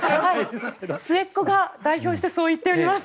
末っ子が代表してそう言っております。